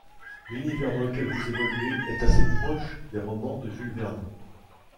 L'univers dans lequel vous évoluez est assez proche des romans de Jules Verne.